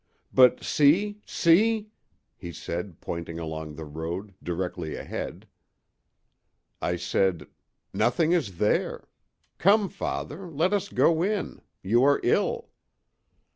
"But see—see!" he said, pointing along the road, directly ahead. I said: "Nothing is there. Come, father, let us go in—you are ill."